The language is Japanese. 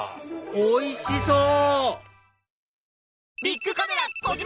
おいしそう！